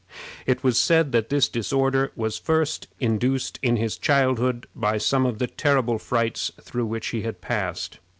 It was said that this disorder was first induced in his childhood by some one of the terrible frights through which he passed.